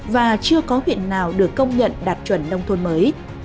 và chưa có huyện nào được công nhận đạt chuẩn nông thôn mới